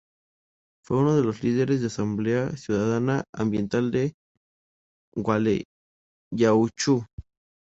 Fue uno de los líderes de la Asamblea Ciudadana Ambiental de Gualeguaychú.